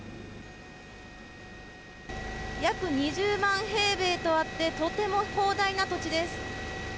約２０万平米とあって、とても広大な土地です。